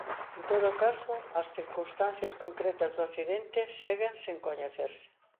En todo caso as circunstancias concretas do accidente seguen sen coñecerse.